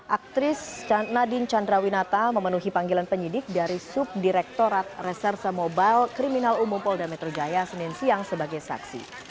aktris nadine chandrawinata memenuhi panggilan penyidik dari subdirektorat reserse mobile kriminal umum polda metro jaya senin siang sebagai saksi